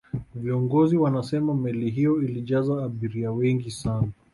viongozi wanasema meli hiyo ilijaza abiria wengi sana